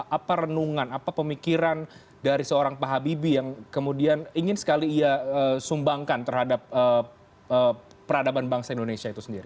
apa renungan apa pemikiran dari seorang pak habibie yang kemudian ingin sekali ia sumbangkan terhadap peradaban bangsa indonesia itu sendiri